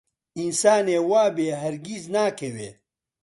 ئینسانێ وابێ هەرگیز ناکەوێ